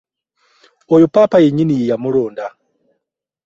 Oyo ppaapa yennyini ye yamulonda.